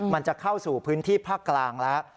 มันจะเข้าสู่พื้นที่ภาคกลางแล้ว